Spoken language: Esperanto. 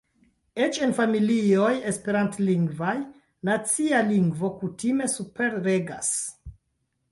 Eĉ en familioj Esperantlingvaj, nacia lingvo kutime superregas.